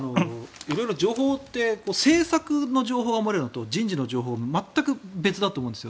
色々情報って政策の情報が漏れるのと人事の情報が漏れるの全く別だと思うんです。